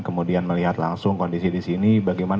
kemudian melihat langsung kondisi di sini bagaimana tanggapan bapak